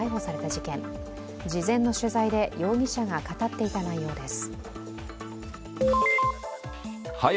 事前の取材で容疑者が語っていた内容です。